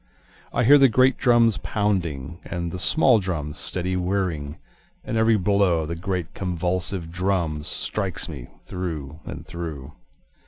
I hear the great drums pounding, And the small drums steady whirring, And every blow of the great convulsive drums, Strikes me through and through.